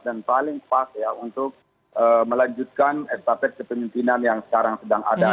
dan paling pas untuk melanjutkan etatet kepemimpinan yang sekarang sedang ada